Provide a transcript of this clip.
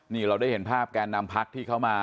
นี่เราได้เห็นภาพแกนนำพักที่เข้ามา